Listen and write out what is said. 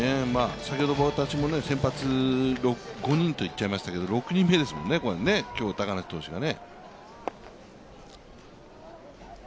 先ほど私も先発５人と言っちゃいましたけど、６人目ですもんね、今日、高梨投手は。